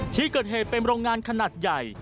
ที่เกิดเหตุเป็นโรงงานขนาดใหญ่